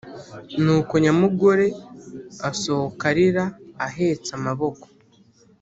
nuko nyamugore asohoka arira, ahetse amaboko.